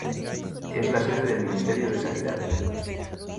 Es la sede del Ministerio de Sanidad.